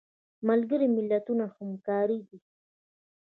ملګري ملتونه همکار دي